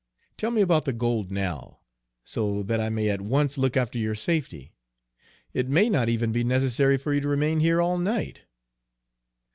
Tell me about the gold, now, so that I may at once look after your safety. It may not even be necessary for you to remain here all night."